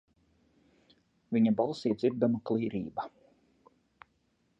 Viņa balsī dzirdama klīrība.